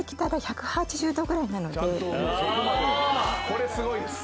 これすごいです。